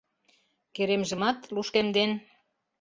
Керемжымат, лушкемден